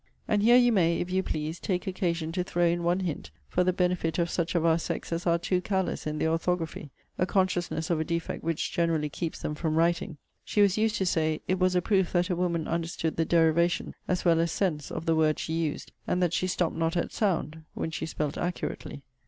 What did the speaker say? And here you may, if you please, take occasion to throw in one hint for the benefit of such of our sex as are too careless in their orthography, [a consciousness of a defect which generally keeps them from writing.] She was used to say, 'It was a proof that a woman understood the derivation as well as sense of the words she used, and that she stopt not at sound, when she spelt accurately.'